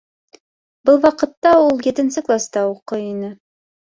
Был ваҡытта ул етенсе класта уҡый ине.